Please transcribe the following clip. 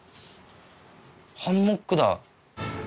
ハンモックだ。